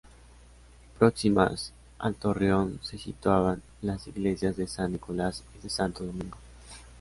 Próximas al torreón se situaban las iglesias de San Nicolás y de Santo Domingo.